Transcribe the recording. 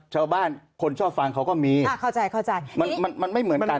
ชาวบ้านคนชอบฟังเขาก็มีอ่าเข้าใจเข้าใจมันมันไม่เหมือนกัน